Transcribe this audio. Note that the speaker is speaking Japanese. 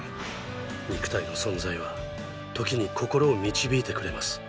肉体の存在は時に心を導いてくれます。